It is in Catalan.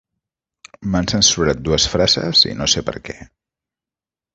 M'han censurat dues frases i no sé per què.